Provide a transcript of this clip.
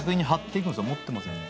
持ってますよね。